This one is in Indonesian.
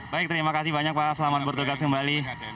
baik terima kasih banyak pak selamat bertugas kembali